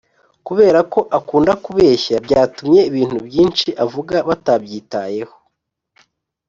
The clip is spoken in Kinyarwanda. kubera ko akunda kubeshya byatumye ibintu byinshi avuga batabyitayeho